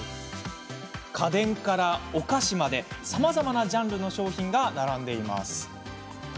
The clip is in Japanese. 家電からお菓子までさまざまなジャンルの商品が並びます。